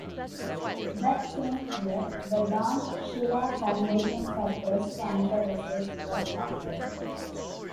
That same year, the Don Shula Foundation for Breast Cancer Research was founded.